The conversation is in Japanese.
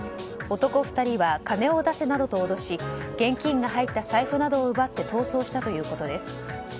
男２人は金を出せなどと脅し現金が入った財布などを奪って逃走したということです。